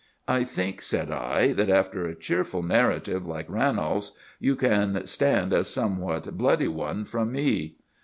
"I think," said I, "that after a cheerful narrative like Ranolf's you can stand a somewhat bloody one from me."